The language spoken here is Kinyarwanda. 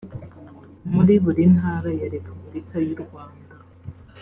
muri buri ntara ya repubulika y urwanda